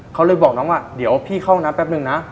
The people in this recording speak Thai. เขาเลยบอกน้องว่าเดี๋ยวพี่เข้าห้องน้ำแป๊บนึงนะ